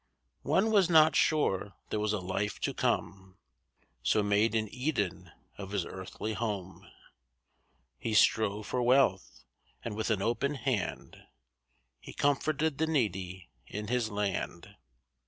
One was not sure there was a life to come, So made an Eden of his earthly home. He strove for wealth, and with an open hand He comforted the needy in his land.